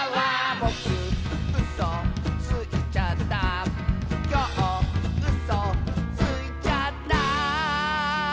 「ぼくうそついちゃった」「きょううそついちゃった」